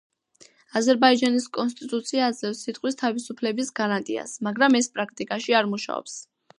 აზერბაიჯანის კონსტიტუცია აძლევს სიტყვის თავისუფლების გარანტიას, მაგრამ ეს პრაქტიკაში არ მუშაობს.